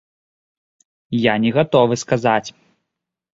Я не гатовы сказаць.